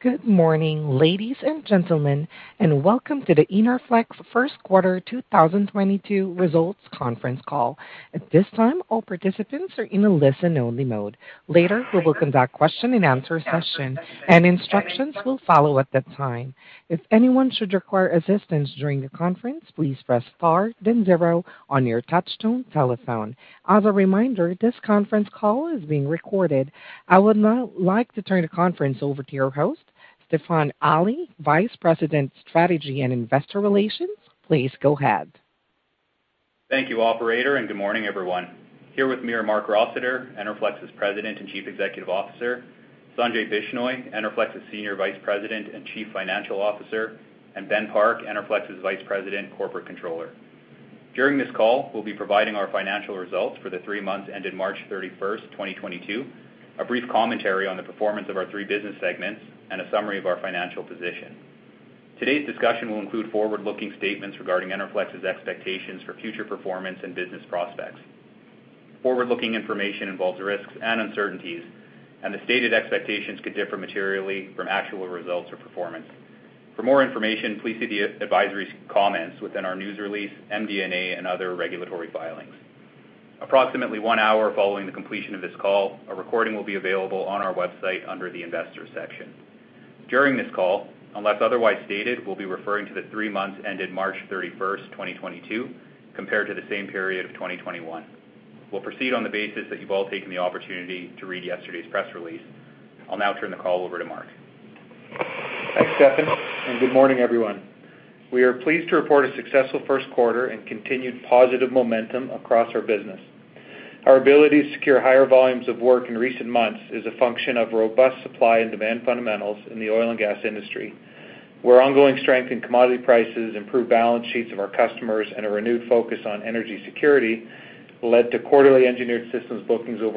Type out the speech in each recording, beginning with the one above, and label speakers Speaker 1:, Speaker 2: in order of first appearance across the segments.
Speaker 1: Good morning, ladies and gentlemen, and welcome to the Enerflex First Quarter 2022 results conference call. At this time, all participants are in a listen-only mode. Later, we will conduct question-and-answer session, and instructions will follow at that time. If anyone should require assistance during the conference, please press star then zero on your touchtone telephone. As a reminder, this conference is being recorded. I would now like to turn the conference over to your host, Stefan Ali, Vice President, Strategy and Investor Relations. Please go ahead.
Speaker 2: Thank you, operator, and good morning, everyone. Here with me are Marc Rossiter, Enerflex's President and Chief Executive Officer, Sanjay Bishnoi, Enerflex's Senior Vice President and Chief Financial Officer, and Ben Park, Enerflex's Vice President, Corporate Controller. During this call, we'll be providing our financial results for the three months ended March 31, 2022, a brief commentary on the performance of our three business segments, and a summary of our financial position. Today's discussion will include forward-looking statements regarding Enerflex's expectations for future performance and business prospects. Forward-looking information involves risks and uncertainties, and the stated expectations could differ materially from actual results or performance. For more information, please see the advisory comments within our news release, MD&A, and other regulatory filings. Approximately 1 hour following the completion of this call, a recording will be available on our website under the Investors section. During this call, unless otherwise stated, we'll be referring to the three months ended March 31, 2022, compared to the same period of 2021. We'll proceed on the basis that you've all taken the opportunity to read yesterday's press release. I'll now turn the call over to Mark.
Speaker 3: Thanks, Stefan, and good morning, everyone. We are pleased to report a successful first quarter and continued positive momentum across our business. Our ability to secure higher volumes of work in recent months is a function of robust supply and demand fundamentals in the oil and gas industry, where ongoing strength in commodity prices, improved balance sheets of our customers, and a renewed focus on energy security led to quarterly Engineered Systems bookings of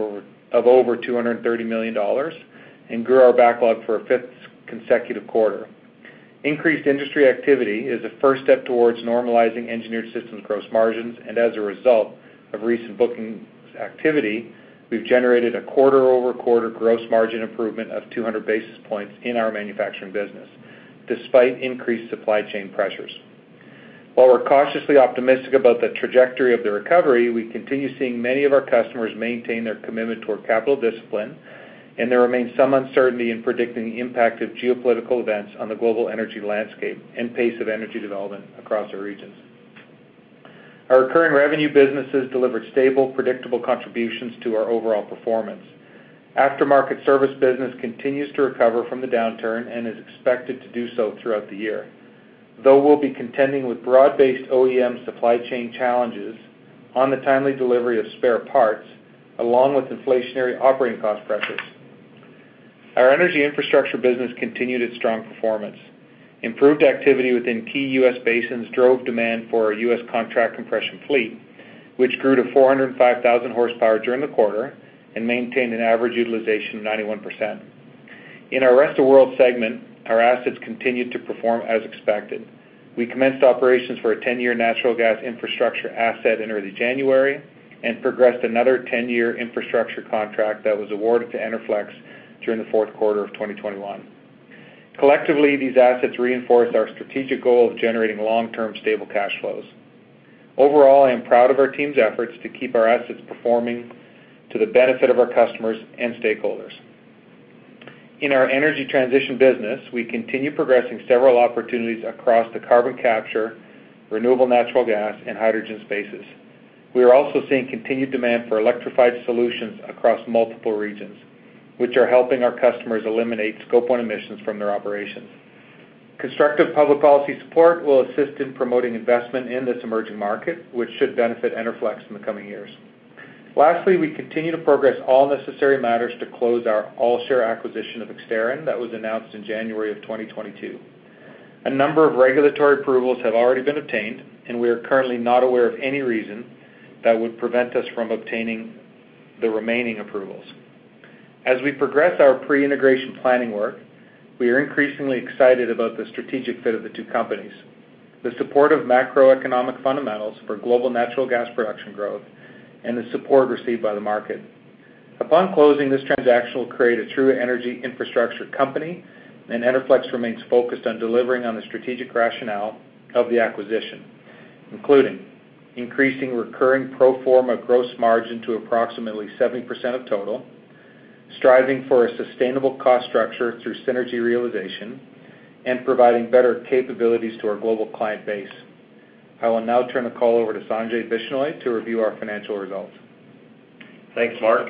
Speaker 3: over 230 million dollars and grew our backlog for a fifth consecutive quarter. Increased industry activity is a first step towards normalizing Engineered Systems gross margins, and as a result of recent bookings activity, we've generated a quarter-over-quarter gross margin improvement of 200 basis points in our manufacturing business, despite increased supply chain pressures. While we're cautiously optimistic about the trajectory of the recovery, we continue seeing many of our customers maintain their commitment toward capital discipline, and there remains some uncertainty in predicting the impact of geopolitical events on the global energy landscape and pace of energy development across our regions. Our recurring revenue businesses delivered stable, predictable contributions to our overall performance. Aftermarket service business continues to recover from the downturn and is expected to do so throughout the year. Though we'll be contending with broad-based OEM supply chain challenges on the timely delivery of spare parts, along with inflationary operating cost pressures. Our Energy Infrastructure business continued its strong performance. Improved activity within key U.S. basins drove demand for our U.S. Contract Compression fleet, which grew to 405,000 horsepower during the quarter and maintained an average utilization of 91%. In our Rest of World segment, our assets continued to perform as expected. We commenced operations for a 10-year natural gas infrastructure asset in early January and progressed another 10-year infrastructure contract that was awarded to Enerflex during the fourth quarter of 2021. Collectively, these assets reinforce our strategic goal of generating long-term stable cash flows. Overall, I am proud of our team's efforts to keep our assets performing to the benefit of our customers and stakeholders. In our energy transition business, we continue progressing several opportunities across the carbon capture, renewable natural gas, and hydrogen spaces. We are also seeing continued demand for electrified solutions across multiple regions, which are helping our customers eliminate Scope 1 emissions from their operations. Constructive public policy support will assist in promoting investment in this emerging market, which should benefit Enerflex in the coming years. Lastly, we continue to progress all necessary matters to close our all-share acquisition of Exterran that was announced in January 2022. A number of regulatory approvals have already been obtained, and we are currently not aware of any reason that would prevent us from obtaining the remaining approvals. As we progress our pre-integration planning work, we are increasingly excited about the strategic fit of the two companies, the support of macroeconomic fundamentals for global natural gas production growth, and the support received by the market. Upon closing, this transaction will create a true energy infrastructure company, and Enerflex remains focused on delivering on the strategic rationale of the acquisition, including increasing recurring pro forma gross margin to approximately 70% of total, striving for a sustainable cost structure through synergy realization, and providing better capabilities to our global client base. I will now turn the call over to Sanjay Bishnoi to review our financial results.
Speaker 4: Thanks, Mark.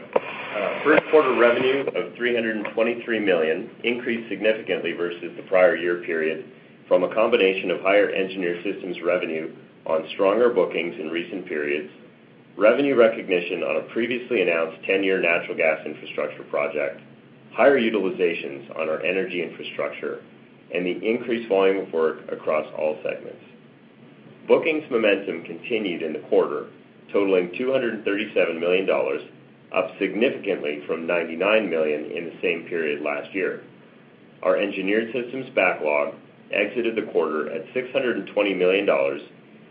Speaker 4: First quarter revenue of $323 million increased significantly versus the prior year period from a combination of higher Engineered Systems revenue on stronger bookings in recent periods, revenue recognition on a previously announced ten-year natural gas infrastructure project, higher utilizations on our Energy Infrastructure, and the increased volume of work across all segments. Bookings momentum continued in the quarter, totaling $237 million, up significantly from $99 million in the same period last year. Our Engineered Systems backlog exited the quarter at $620 million,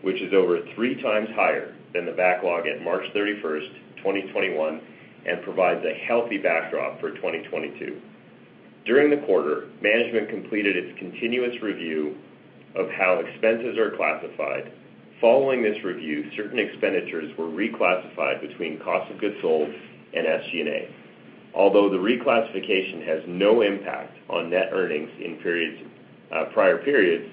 Speaker 4: which is over three times higher than the backlog at March 31, 2021. Provides a healthy backdrop for 2022. During the quarter, management completed its continuous review of how expenses are classified. Following this review, certain expenditures were reclassified between cost of goods sold and SG&A. Although the reclassification has no impact on net earnings in prior periods,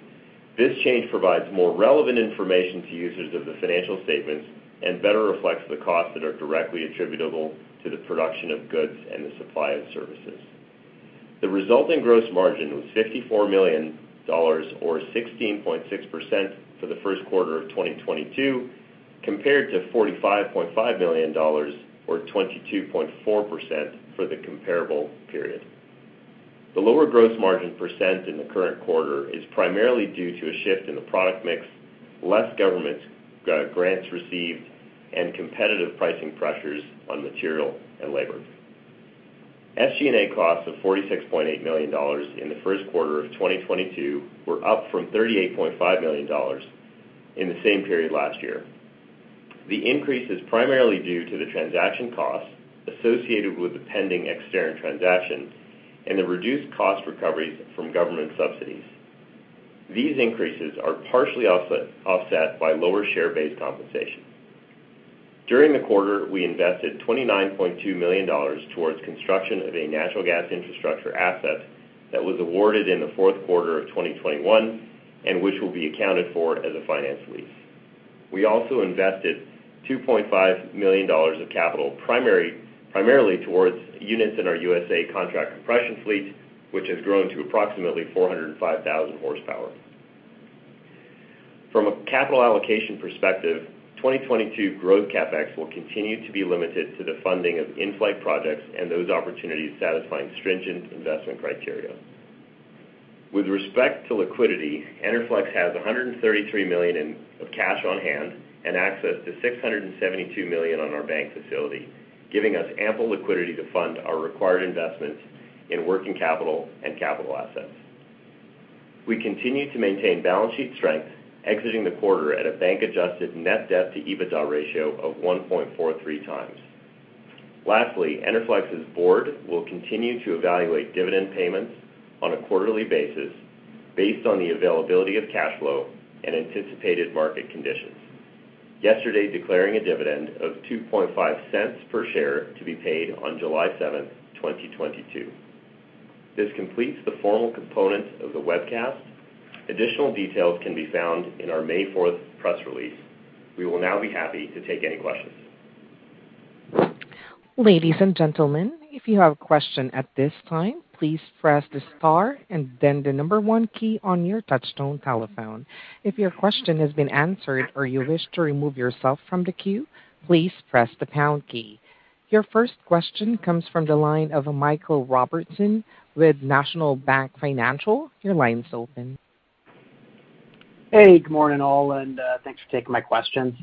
Speaker 4: this change provides more relevant information to users of the financial statements and better reflects the costs that are directly attributable to the production of goods and the supply of services. The resulting gross margin was 54 million dollars or 16.6% for the first quarter of 2022, compared to 45.5 million dollars or 22.4% for the comparable period. The lower gross margin percent in the current quarter is primarily due to a shift in the product mix, less government grants received, and competitive pricing pressures on material and labor. SG&A costs of $46.8 million in the first quarter of 2022 were up from $38.5 million in the same period last year. The increase is primarily due to the transaction costs associated with the pending Exterran transaction and the reduced cost recoveries from government subsidies. These increases are partially offset by lower share-based compensation. During the quarter, we invested $29.2 million towards construction of a natural gas infrastructure asset that was awarded in the fourth quarter of 2021 and which will be accounted for as a finance lease. We also invested $2.5 million of capital primarily towards units in our U.S. contract compression fleet, which has grown to approximately 405,000 horsepower. From a capital allocation perspective, 2022 growth CapEx will continue to be limited to the funding of in-flight projects and those opportunities satisfying stringent investment criteria. With respect to liquidity, Enerflex has 133 million of cash on hand and access to 672 million on our bank facility, giving us ample liquidity to fund our required investments in working capital and capital assets. We continue to maintain balance sheet strength, exiting the quarter at a bank-adjusted net debt-to-EBITDA ratio of 1.43x. Lastly, Enerflex's board will continue to evaluate dividend payments on a quarterly basis based on the availability of cash flow and anticipated market conditions. Yesterday declaring a dividend of 0.025 per share to be paid on July 7, 2022. This completes the formal component of the webcast. Additional details can be found in our May 4 press release. We will now be happy to take any questions.
Speaker 1: Ladies and gentlemen, if you have a question at this time, please press the star and then the number one key on your touchtone telephone. If your question has been answered or you wish to remove yourself from the queue, please press the pound key. Your first question comes from the line of Michael Robertson with National Bank Financial. Your line's open.
Speaker 5: Hey, good morning, all, and thanks for taking my questions.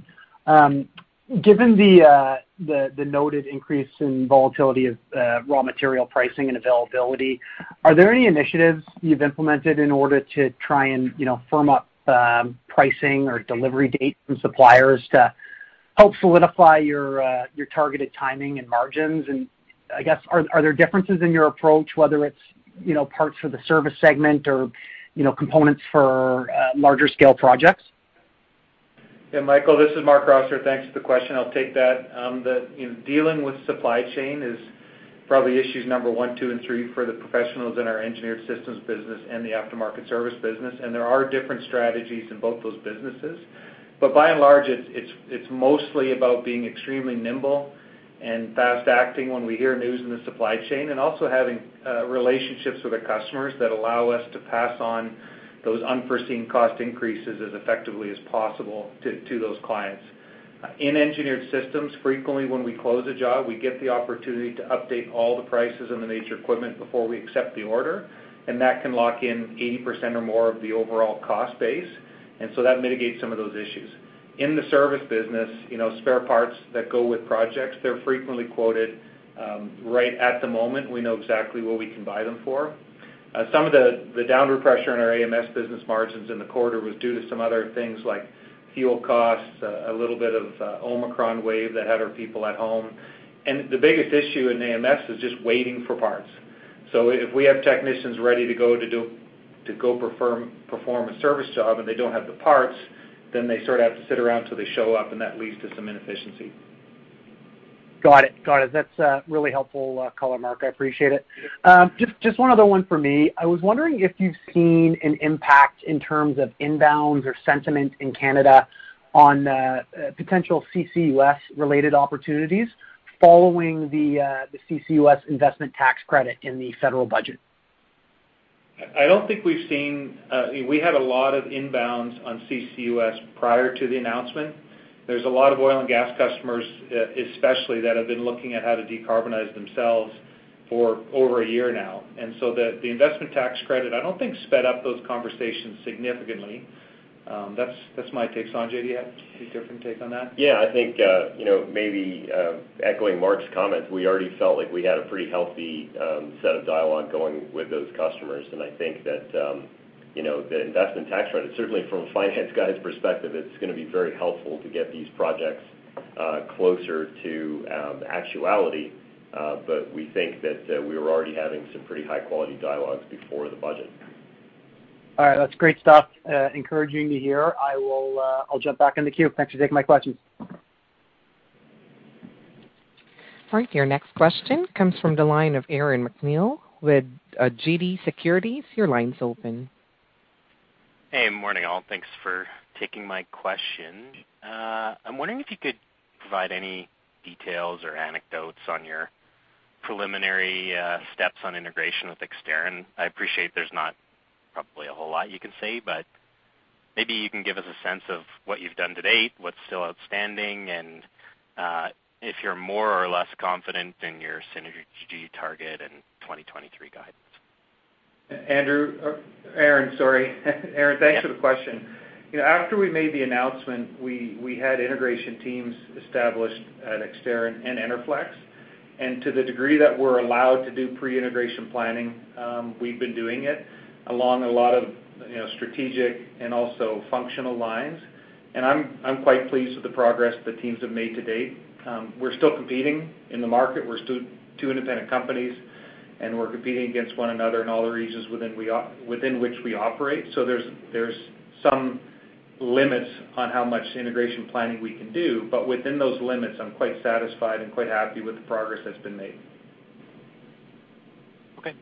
Speaker 5: Given the noted increase in volatility of raw material pricing and availability, are there any initiatives you've implemented in order to try and, you know, firm up pricing or delivery dates from suppliers to help solidify your targeted timing and margins? I guess are there differences in your approach, whether it's, you know, parts for the service segment or, you know, components for larger scale projects?
Speaker 3: Yeah, Michael, this is Marc Rossiter. Thanks for the question. I'll take that. You know, dealing with supply chain is probably issues number one, two, and three for the professionals in our Engineered Systems business and the After-Market Services business. There are different strategies in both those businesses. By and large, it's mostly about being extremely nimble and fast-acting when we hear news in the supply chain and also having relationships with our customers that allow us to pass on those unforeseen cost increases as effectively as possible to those clients. In Engineered Systems, frequently, when we close a job, we get the opportunity to update all the prices on the major equipment before we accept the order, and that can lock in 80% or more of the overall cost base. That mitigates some of those issues. In the service business, you know, spare parts that go with projects, they're frequently quoted right at the moment. We know exactly what we can buy them for. Some of the downward pressure on our AMS business margins in the quarter was due to some other things like fuel costs, a little bit of Omicron wave that had our people at home. The biggest issue in AMS is just waiting for parts. If we have technicians ready to go to go perform a service job, and they don't have the parts, then they sort of have to sit around till they show up, and that leads to some inefficiency.
Speaker 5: Got it. That's really helpful color, Marc. I appreciate it. Just one other one for me. I was wondering if you've seen an impact in terms of inbounds or sentiment in Canada on potential CCUS-related opportunities following the CCUS investment tax credit in the federal budget.
Speaker 3: We had a lot of inbounds on CCUS prior to the announcement. There's a lot of oil and gas customers, especially that have been looking at how to decarbonize themselves for over a year now. The investment tax credit, I don't think sped up those conversations significantly. That's my take on it. Sanjay, you have a different take on that?
Speaker 4: Yeah. I think, you know, maybe echoing Marc's comments, we already felt like we had a pretty healthy set of dialogue going with those customers. I think that, you know, the investment tax credit, certainly from a finance guy's perspective, it's gonna be very helpful to get these projects closer to actuality, but we think that we were already having some pretty high-quality dialogues before the budget.
Speaker 5: All right. That's great stuff, encouraging to hear. I'll jump back in the queue. Thanks for taking my questions.
Speaker 1: All right. Your next question comes from the line of Aaron MacNeil with TD Securities. Your line's open.
Speaker 6: Hey, morning all. Thanks for taking my question. I'm wondering if you could provide any details or anecdotes on your preliminary steps on integration with Exterran. I appreciate there's not probably a whole lot you can say, but maybe you can give us a sense of what you've done to date, what's still outstanding, and if you're more or less confident in your synergy target and 2023 guidance.
Speaker 3: Aaron, thanks for the question. You know, after we made the announcement, we had integration teams established at Exterran and Enerflex. To the degree that we're allowed to do pre-integration planning, we've been doing it along a lot of, you know, strategic and also functional lines. I'm quite pleased with the progress the teams have made to date. We're still competing in the market. We're still two independent companies, and we're competing against one another in all the regions within which we operate. There's some limits on how much integration planning we can do, but within those limits, I'm quite satisfied and quite happy with the progress that's been made.
Speaker 6: Okay.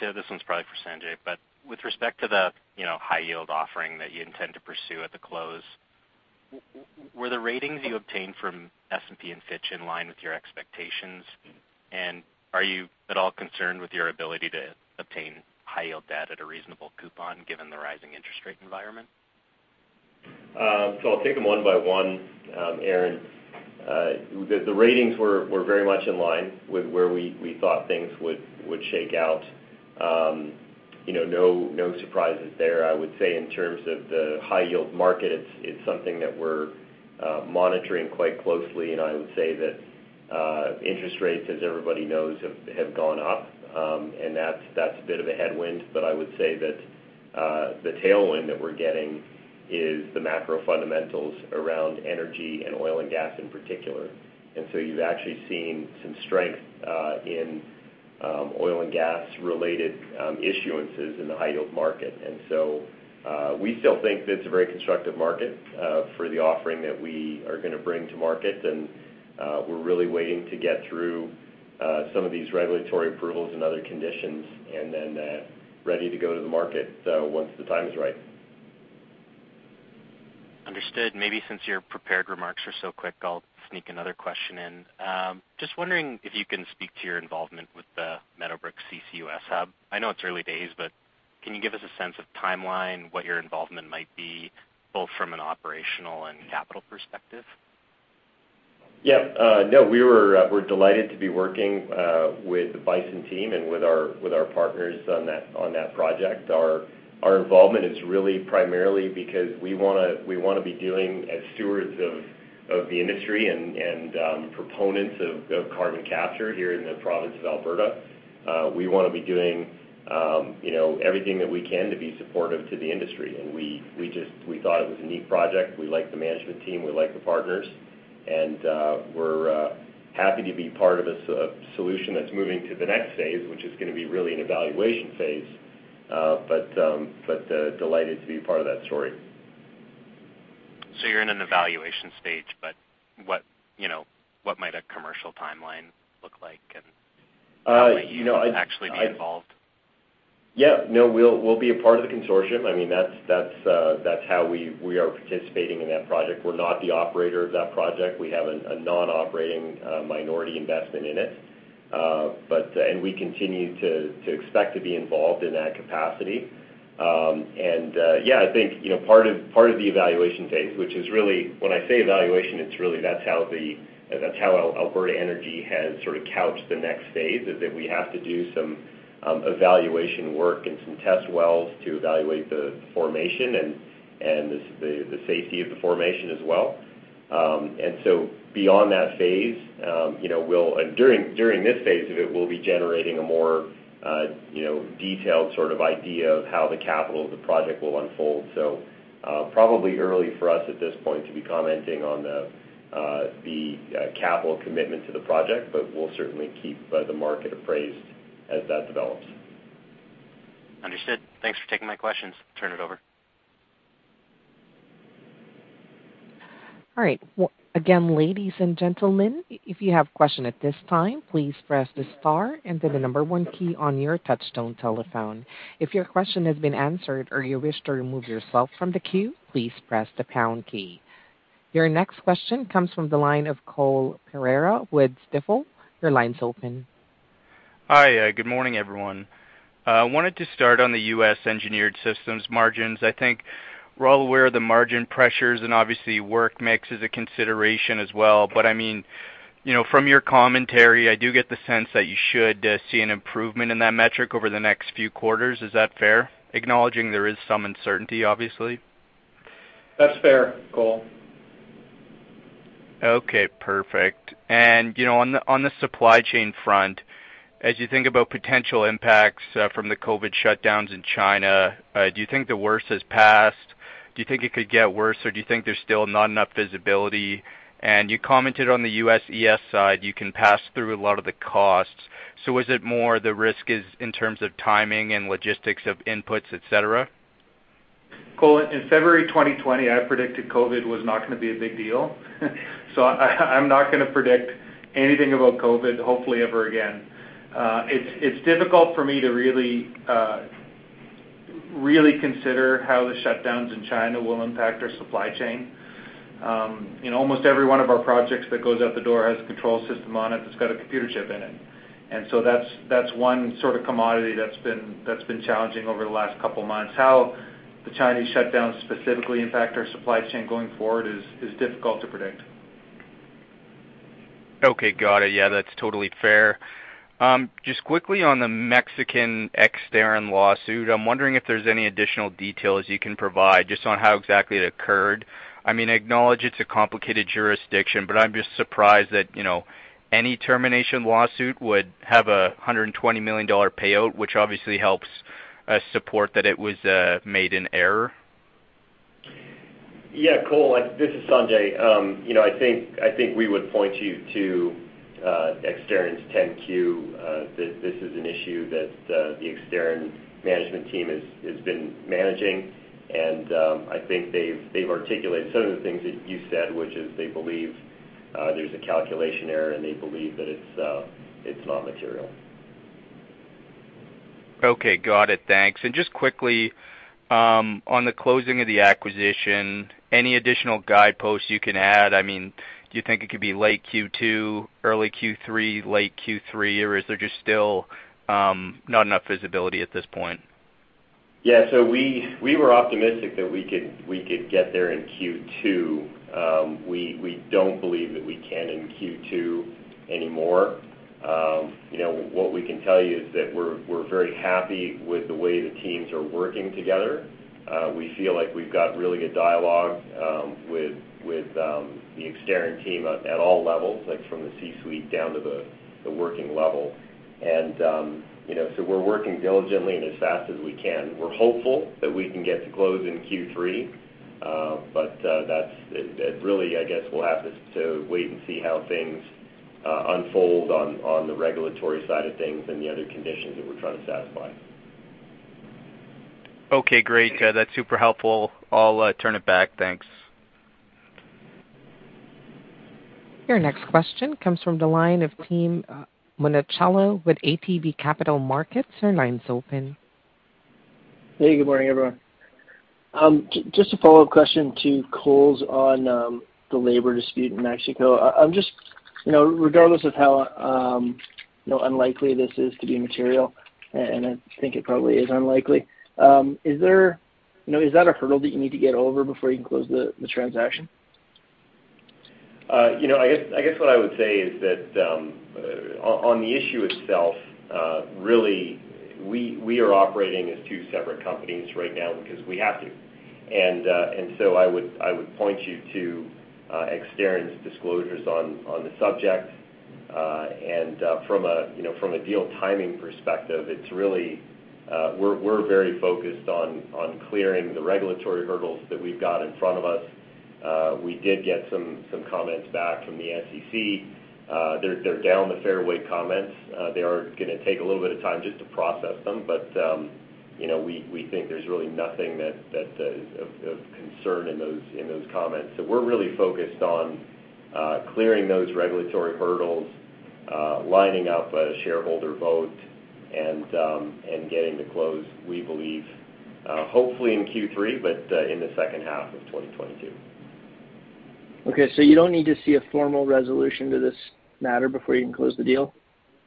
Speaker 6: This one's probably for Sanjay, but with respect to the, you know, high-yield offering that you intend to pursue at the close, were the ratings you obtained from S&P and Fitch in line with your expectations? And are you at all concerned with your ability to obtain high-yield debt at a reasonable coupon given the rising interest rate environment?
Speaker 4: I'll take them one by one, Aaron. The ratings were very much in line with where we thought things would shake out. You know, no surprises there. I would say in terms of the high-yield market, it's something that we're monitoring quite closely, and I would say that interest rates, as everybody knows, have gone up. That's a bit of a headwind, but I would say that the tailwind that we're getting is the macro fundamentals around energy and oil and gas in particular. You've actually seen some strength in oil and gas-related issuances in the high-yield market. We still think that it's a very constructive market for the offering that we are gonna bring to market. We're really waiting to get through some of these regulatory approvals and other conditions and then ready to go to the market, so once the time is right.
Speaker 6: Understood. Maybe since your prepared remarks are so quick, I'll sneak another question in. Just wondering if you can speak to your involvement with the Meadowbrook CCUS Hub. I know it's early days, but can you give us a sense of timeline, what your involvement might be, both from an operational and capital perspective?
Speaker 4: Yeah, we're delighted to be working with the Bison team and with our partners on that project. Our involvement is really primarily because we wanna be doing, as stewards of the industry and proponents of carbon capture here in the province of Alberta. We wanna be doing, you know, everything that we can to be supportive to the industry. We just thought it was a neat project. We like the management team. We like the partners. We're happy to be part of a solution that's moving to the next phase, which is gonna be really an evaluation phase, but delighted to be part of that story.
Speaker 6: You're in an evaluation stage, but what, you know, might a commercial timeline look like, and how might you actually be involved?
Speaker 4: Yeah. No, we'll be a part of the consortium. I mean, that's how we are participating in that project. We're not the operator of that project. We have a non-operating minority investment in it. We continue to expect to be involved in that capacity. Yeah, I think, you know, part of the evaluation phase, which is really, when I say evaluation, it's really that's how Alberta Energy has sort of couched the next phase, is that we have to do some evaluation work and some test wells to evaluate the formation and the safety of the formation as well. Beyond that phase, you know, during this phase of it, we'll be generating a more, you know, detailed sort of idea of how the capital of the project will unfold. Probably early for us at this point to be commenting on the capital commitment to the project, but we'll certainly keep the market appraised as that develops.
Speaker 6: Understood. Thanks for taking my questions. Turn it over.
Speaker 1: All right. Again, ladies and gentlemen, if you have question at this time, please press the star and then the one key on your touchtone telephone. If your question has been answered or you wish to remove yourself from the queue, please press the pound key. Your next question comes from the line of Cole Pereira with Stifel. Your line's open.
Speaker 7: Hi. Good morning, everyone. Wanted to start on the U.S. Engineered Systems margins. I think we're all aware of the margin pressures, and obviously work mix is a consideration as well. I mean, you know, from your commentary, I do get the sense that you should see an improvement in that metric over the next few quarters. Is that fair? Acknowledging there is some uncertainty, obviously.
Speaker 3: That's fair, Cole.
Speaker 7: Okay, perfect. You know, on the supply chain front, as you think about potential impacts from the COVID shutdowns in China, do you think the worst has passed? Do you think it could get worse, or do you think there's still not enough visibility? You commented on the U.S. side, you can pass through a lot of the costs. Is it more the risk is in terms of timing and logistics of inputs, et cetera?
Speaker 3: Cole, in February 2020, I predicted COVID was not gonna be a big deal. I'm not gonna predict anything about COVID, hopefully ever again. It's difficult for me to really consider how the shutdowns in China will impact our supply chain. In almost every one of our projects that goes out the door has a control system on it that's got a computer chip in it. That's one sort of commodity that's been challenging over the last couple of months. How the Chinese shutdown specifically impact our supply chain going forward is difficult to predict.
Speaker 7: Okay, got it. Yeah, that's totally fair. Just quickly on the Mexican Exterran lawsuit, I'm wondering if there's any additional details you can provide just on how exactly it occurred. I mean, I acknowledge it's a complicated jurisdiction, but I'm just surprised that, you know, any termination lawsuit would have a $120 million payout, which obviously helps support that it was made in error.
Speaker 4: Yeah, Cole, this is Sanjay. You know, I think we would point you to Exterran's 10-Q. This is an issue that the Exterran management team has been managing, and I think they've articulated some of the things that you said, which is they believe there's a calculation error, and they believe that it's not material.
Speaker 7: Okay. Got it. Thanks. Just quickly, on the closing of the acquisition, any additional guideposts you can add? I mean, do you think it could be late Q2, early Q3, late Q3, or is there just still, not enough visibility at this point?
Speaker 4: Yeah. We were optimistic that we could get there in Q2. We don't believe that we can in Q2 anymore. You know, what we can tell you is that we're very happy with the way the teams are working together. We feel like we've got really good dialogue with the Exterran team at all levels, like from the C-suite down to the working level. You know, we're working diligently and as fast as we can. We're hopeful that we can get to close in Q3, but that's. It really, I guess, we'll have to wait and see how things unfold on the regulatory side of things and the other conditions that we're trying to satisfy.
Speaker 7: Okay, great. That's super helpful. I'll turn it back. Thanks.
Speaker 1: Your next question comes from the line of Tim Monachello with ATB Capital Markets. Your line's open.
Speaker 8: Hey, good morning, everyone. Just a follow-up question to Cole's on the labor dispute in Mexico. I'm just, you know, regardless of how, you know, unlikely this is to be material, and I think it probably is unlikely. You know, is that a hurdle that you need to get over before you can close the transaction?
Speaker 4: You know, I guess what I would say is that on the issue itself, really, we are operating as two separate companies right now because we have to. I would point you to Exterran's disclosures on the subject. From a deal timing perspective, you know, from a deal timing perspective, it's really we're very focused on clearing the regulatory hurdles that we've got in front of us. We did get some comments back from the SEC. They're down the fairway comments. They are gonna take a little bit of time just to process them, but you know, we think there's really nothing that of concern in those comments. We're really focused on clearing those regulatory hurdles, lining up a shareholder vote, and getting to close, we believe, hopefully in Q3, but in the second half of 2022.
Speaker 8: Okay. You don't need to see a formal resolution to this matter before you can close the deal,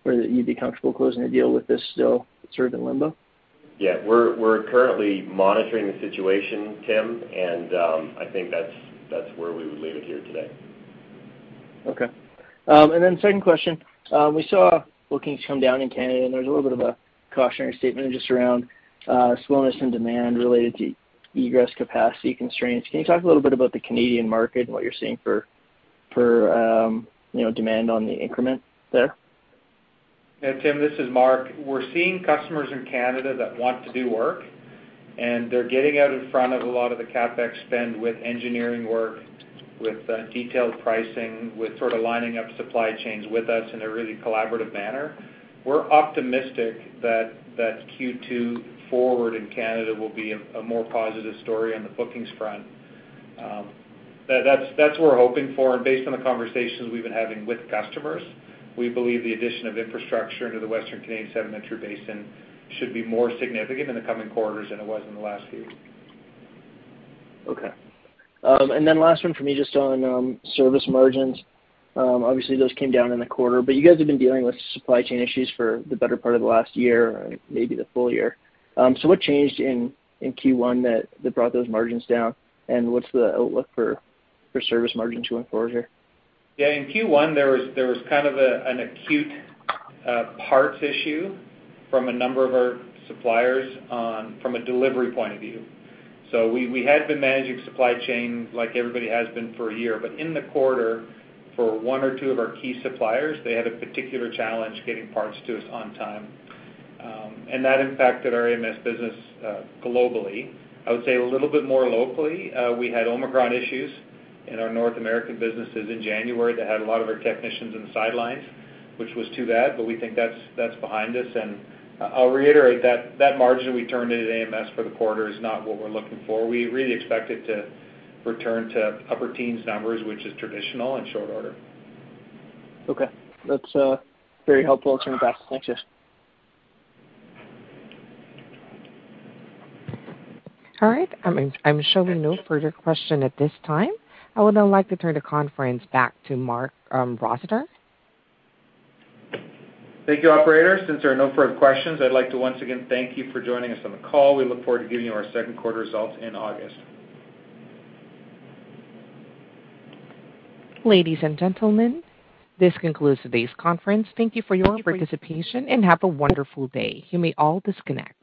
Speaker 8: or that you'd be comfortable closing the deal with this still sort of in limbo?
Speaker 4: Yeah. We're currently monitoring the situation, Tim, and I think that's where we would leave it here today.
Speaker 8: Okay. Second question. We saw bookings come down in Canada, and there's a little bit of a cautionary statement just around slowness in demand related to egress capacity constraints. Can you talk a little bit about the Canadian market and what you're seeing for you know, demand on the increment there?
Speaker 3: Yeah, Tim, this is Marc. We're seeing customers in Canada that want to do work, and they're getting out in front of a lot of the CapEx spend with engineering work, with detailed pricing, with sorta lining up supply chains with us in a really collaborative manner. We're optimistic that that Q2 forward in Canada will be a more positive story on the bookings front. That's what we're hoping for. Based on the conversations we've been having with customers, we believe the addition of infrastructure into the Western Canadian Sedimentary Basin should be more significant in the coming quarters than it was in the last few.
Speaker 8: Okay. Last one for me, just on service margins. Obviously those came down in the quarter, but you guys have been dealing with supply chain issues for the better part of the last year or maybe the full year. What changed in Q1 that brought those margins down, and what's the outlook for service margins going forward here?
Speaker 4: Yeah. In Q1, there was kind of an acute parts issue from a number of our suppliers from a delivery point of view. We had been managing supply chain like everybody has been for a year. In the quarter, for one or two of our key suppliers, they had a particular challenge getting parts to us on time, and that impacted our AMS business globally. I would say a little bit more locally, we had Omicron issues in our North American businesses in January that had a lot of our technicians in the sidelines, which was too bad, but we think that's behind us. I'll reiterate that margin we turned into AMS for the quarter is not what we're looking for. We really expect it to return to upper teens numbers, which is traditional in short order.
Speaker 8: Okay. That's very helpful. I'll turn it back. Thank you.
Speaker 1: All right. I'm showing no further question at this time. I would now like to turn the conference back to Marc Rossiter.
Speaker 3: Thank you, operator. Since there are no further questions, I'd like to once again thank you for joining us on the call. We look forward to giving you our second quarter results in August.
Speaker 1: Ladies and gentlemen, this concludes today's conference. Thank you for your participation, and have a wonderful day. You may all disconnect.